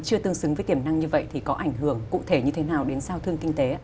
chưa tương xứng với tiềm năng như vậy thì có ảnh hưởng cụ thể như thế nào đến sao thương kinh tế ạ